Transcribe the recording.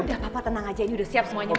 udah papa tenang aja ini udah siap semuanya